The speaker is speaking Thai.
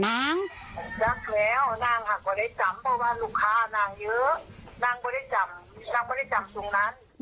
รักแล้วนางหักก็ได้จำเพราะว่าลูกค้านางเยอะนางก็ได้จับนางไม่ได้จับตรงนั้น